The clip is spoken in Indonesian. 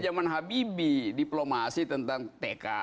zaman habibie diplomasi tentang tk